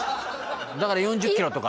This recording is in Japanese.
だから４０キロとか。